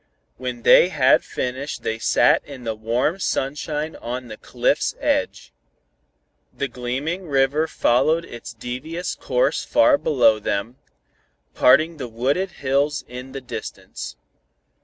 When they had finished they sat in the warm sunshine on the cliff's edge. The gleaming river followed its devious course far below them, parting the wooded hills in the distance.